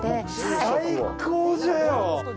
最高じゃよ。